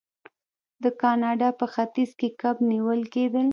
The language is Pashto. د کاناډا په ختیځ کې کب نیول کیدل.